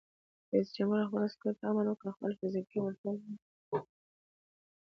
رئیس جمهور خپلو عسکرو ته امر وکړ؛ خپله فزیکي وړتیا لوړه کړئ!